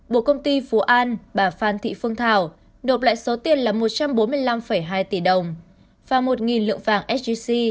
buộc công ty phú an bà phan thị phương thảo nộp lại số tiền là một trăm bốn mươi năm hai tỷ đồng và một lượng vàng sgc